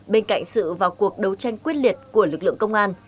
bên cạnh sự vào cuộc đấu tranh quyết liệt của lực lượng công an